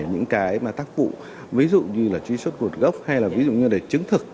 để những cái mà tác vụ ví dụ như là truy xuất gột gốc hay là ví dụ như là để chứng thực